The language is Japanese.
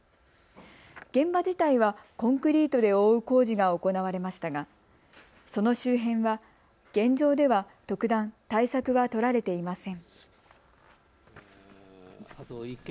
現場自体はコンクリートで覆う工事が行われましたがその周辺は現状では特段、対策は取られていません。